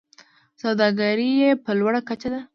سوداګري یې په لوړه کچه ده.